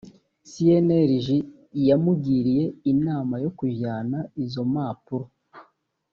cnlg yamugiriye inama yo kujyana izo mapuro